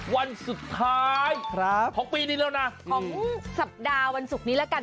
วันสุดท้ายของปีนี้แล้วนะของสัปดาห์วันศุกร์นี้แล้วกัน